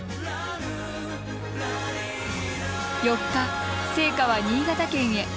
４日、聖火は新潟県へ。